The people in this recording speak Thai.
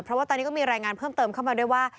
เพราะว่าตอนนี้ก็มีรายงานเพิ่มเติมเข้ามาด้วยว่า